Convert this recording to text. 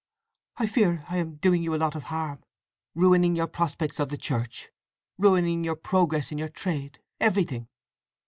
"I fear I am doing you a lot of harm. Ruining your prospects of the Church; ruining your progress in your trade; everything!"